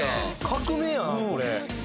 「革命やなこれ」